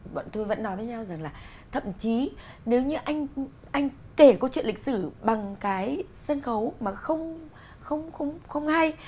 bọn tôi vẫn nói với nhau rằng là thậm chí nếu như anh kể câu chuyện lịch sử bằng cái sân khấu mà không ai